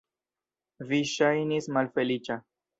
Vi ŝajnis malfeliĉa.